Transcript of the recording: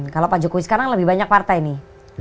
kalau pak jokowi sekarang lebih banyak partai nih